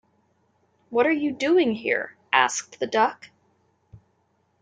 “What are you doing here?” asked the duck.